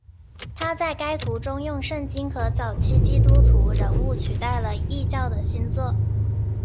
他在该图中用圣经和早期基督徒人物取代了异教的星座。